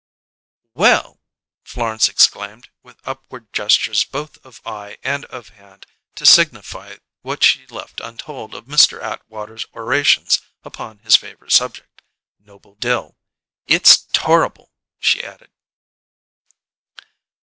"Well!" Florence exclaimed, with upward gestures both of eye and of hand, to signify what she left untold of Mr. Atwater's orations upon his favourite subject: Noble Dill. "It's torrable!" she added.